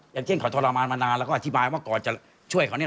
อย่างเช่นเขาทรมานมานานแล้วก็อธิบายว่าก่อนจะช่วยเขาเนี่ย